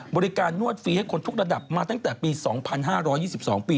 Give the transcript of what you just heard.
นวดฟรีให้คนทุกระดับมาตั้งแต่ปี๒๕๒๒ปี